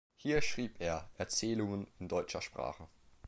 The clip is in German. Hier schrieb er Erzählungen in deutscher Sprache.